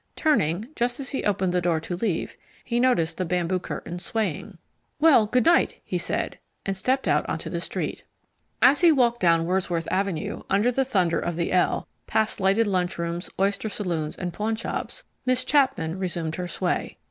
Turning, just as he opened the door to leave, he noticed the bamboo curtain swaying. "Well, good night," he said, and stepped out onto the street. As he walked down Wordsworth Avenue, under the thunder of the L, past lighted lunchrooms, oyster saloons, and pawnshops, Miss Chapman resumed her sway.